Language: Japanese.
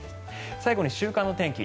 最後に週間の天気